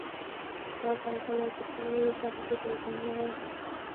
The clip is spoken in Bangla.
আমরা জানতাম, এই পৃথিবী জাদুতে পরিপুর্ণ।